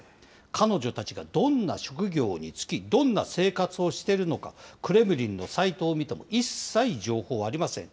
彼女たちがどんな職業につき、どんな生活をしているのか、クレムリンのサイトを見ても一切情報はありません。